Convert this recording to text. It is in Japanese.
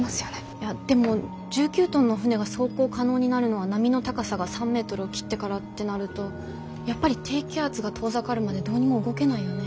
いやでも１９トンの船が走行可能になるのは波の高さが３メートルを切ってからってなるとやっぱり低気圧が遠ざかるまでどうにも動けないよね。